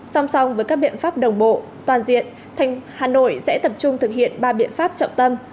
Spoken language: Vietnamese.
song song với các biện pháp đồng bộ toàn diện hà nội sẽ tập trung thực hiện ba biện pháp trọng tâm